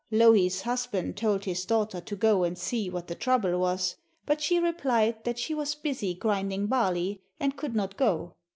Louhi's husband told his daughter to go and see what the trouble was, but she replied that she was busy grinding barley, and could not go.